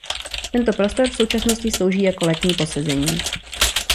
Tento prostor v současnosti slouží jako letní posezení.